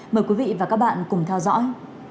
mời quý vị và các bạn cùng theo dõi